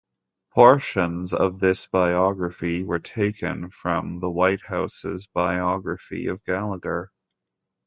Portions of this biography were taken from the White House's biography of Gallagher.